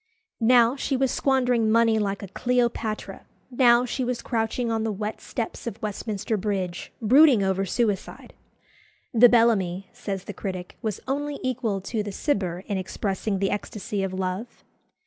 Now she was squandering money like a Cleopatra; now she was crouching on the wet steps of Westminster Bridge, brooding over suicide. "The Bellamy," says the critic, was only equal to "the Cibber" in expressing the ecstasy of love.